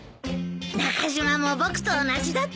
中島も僕と同じだったんだ。